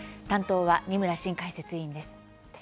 担当は二村伸解説委員です。